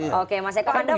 kan begitu sebenarnya